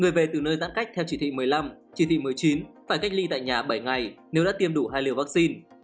người về từ nơi giãn cách theo chỉ thị một mươi năm chỉ thị một mươi chín phải cách ly tại nhà bảy ngày nếu đã tiêm đủ hai liều vaccine